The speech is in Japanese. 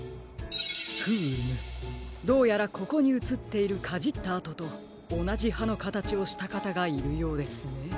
フームどうやらここにうつっているかじったあととおなじはのかたちをしたかたがいるようですね。